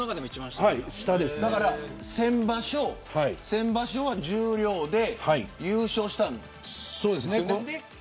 先場所は十両で優勝したんですよね。